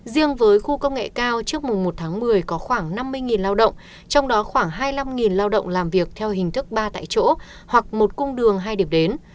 riêng với khu công nghệ cao trước mùng một tháng một mươi có khoảng năm mươi lao động trong đó khoảng hai mươi năm lao động làm việc theo hình thức ba tại chỗ hoặc một cung đường hai điểm đến